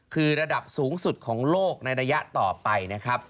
คือระดับสูงสุดของโลกในระยะต่อไปนะครับ